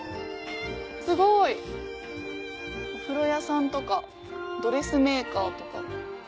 すごい！お風呂屋さんとかドレスメーカーとか。